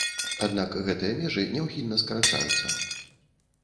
Аднак гэтыя межы няўхільна скарачаюцца.